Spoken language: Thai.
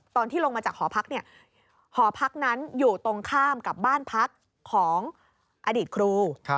ตอนที่ลงมาจากหอพักหอพักนั้นอยู่ตรงข้ามกับบ้านพักของอดีตครู